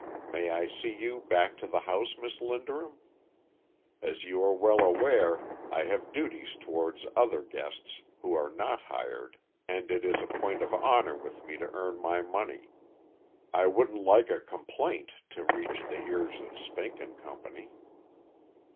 May I see you back to the house, Miss Linderham? As you are well aware, I have duties towards other guests who are not hired, and it is a point of honour with me to earn my money. I wouldn't like a complaint to reach the ears of Spink and Company."